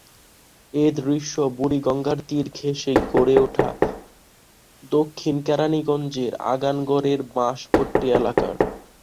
এ দৃশ্য বুড়িগঙ্গার তীর ঘেঁষে গড়ে ওঠা দক্ষিণ কেরানীগঞ্জের আগানগরের বাঁশপট্টি এলাকার।